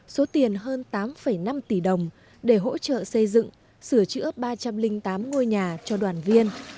số tiền hơn tám năm tỷ đồng để hỗ trợ xây dựng sửa chữa ba trăm linh tám ngôi nhà cho đoàn viên